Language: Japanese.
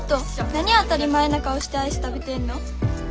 何当たり前な顔してアイス食べてんの。